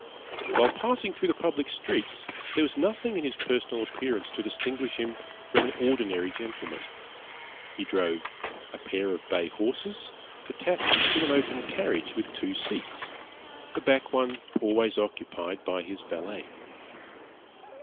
While passing through the public streets, there was nothing in his personal appearance to distinguish him from any ordinary gentlemen. He drove a pair of bay horses, attached to an open carriage with two seats, the back one always occupied by his valet.